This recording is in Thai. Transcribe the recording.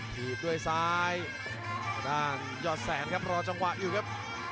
ทีดด้วยซ้ายขาวกระจ่างยอดแสนครับรอจังหวะอยู่ครับ